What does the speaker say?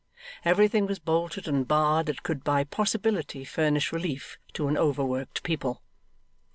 Everything was bolted and barred that could by possibility furnish relief to an overworked people.